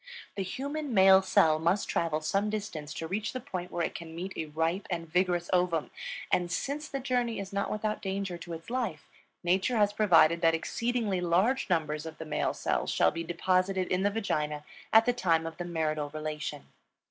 The human male cell must travel some distance to reach the point where it can meet a ripe and vigorous ovum; and since the journey is not without danger to its life, Nature has provided that exceedingly large numbers of the male cells shall be deposited in the vagina at the time of the marital relation.